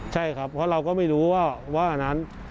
ใช่ครับเพราะเราก็ไม่รู้ว่าว่านั้น